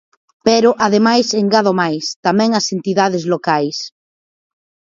Pero, ademais, engado máis: tamén ás entidades locais.